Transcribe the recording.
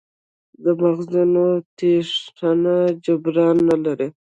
د مغزونو تېښته جبران نه لري.